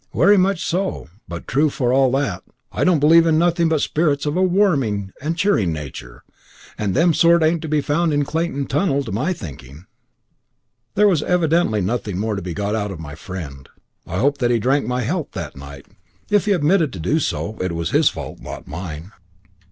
"Wery much so, but true for all that. I don't believe in nothing but sperits of a warming and cheering nature, and them sort ain't to be found in Clayton tunn'l to my thinking." There was evidently nothing more to be got out of my friend. I hope that he drank my health that night; if he omitted to do so, it was his fault, not mine.